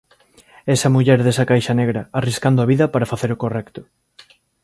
Es a muller desa caixa negra arriscando a vida para facer o correcto.